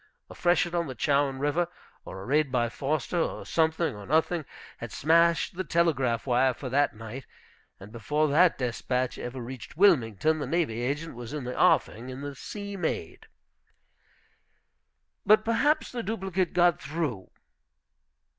A freshet on the Chowan River, or a raid by Foster, or something, or nothing, had smashed the telegraph wire for that night. And before that despatch ever reached Wilmington the navy agent was in the offing in the Sea Maid. "But perhaps the duplicate got through?"